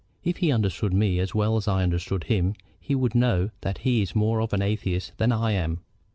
If he understood me as well as I understand him, he would know that he is more of an atheist than I am.